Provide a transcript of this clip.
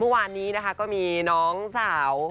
วันนี้นะคะก็มีน้องสาว